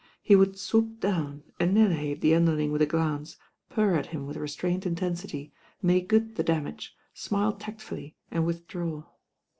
He would swoop down, annihilate the underling with a glance, purr at him with restrained intensity, make good the dam age, smile tactfully and withdraw.